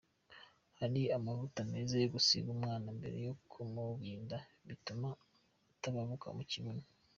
Hari amavuta meza yo gusiga umwana mbere yo kumubinda bituma atababuka ku kibuno.